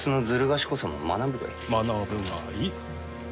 学ぶがいい。